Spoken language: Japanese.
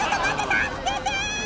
助けてー！